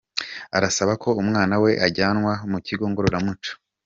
Arasaba ko umwana we yajyanwa mu kigo ngororamuco